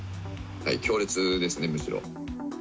強烈ですね、むしろ。